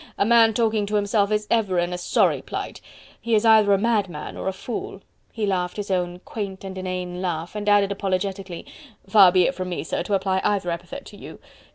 A man talking to himself is ever in a sorry plight... he is either a mad man or a fool..." He laughed his own quaint and inane laugh and added apologetically: "Far be if from me, sir, to apply either epithet to you...